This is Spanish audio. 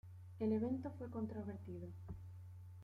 El evento fue controvertido.